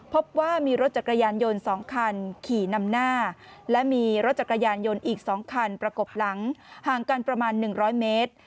พบว่ามีรถจักรยานยนต์๒คันขี่นำหน้าและมีรถจักรยานยนต์อีก๒คันประกบหลังห่างกันประมาณ๑๐๐เมตร